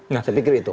saya pikir itu